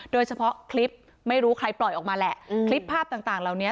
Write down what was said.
โดยเฉพาะคลิปไม่รู้ใครปล่อยออกมาแหละคลิปภาพต่างเหล่านี้